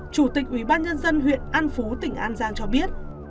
chủ tịch ubnd huyện an phú tỉnh an giang cho biết